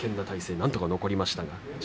なんとか残りました。